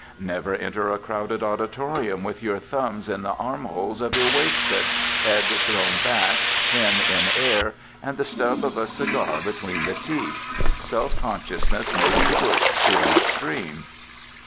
Never enter a crowded auditorium with your thumbs in the arm holes of your waistcoat, head thrown back, chin in air, and the stub of a cigar between the teeth. Self consciousness may be pushed to an extreme.